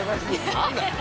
何だよ。